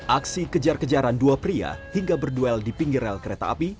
aksi kejar kejaran dua pria hingga berduel di pinggir rel kereta api